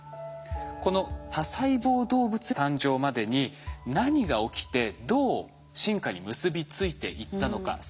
この多細胞動物誕生までに何が起きてどう進化に結び付いていったのか。